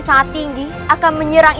saya sudah menang